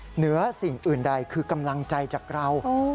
เหนือสิ่งอื่นใดคือกำลังใจจากเรา